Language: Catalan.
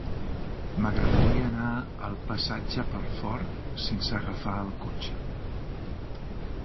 M'agradaria anar al passatge Pelfort sense agafar el cotxe.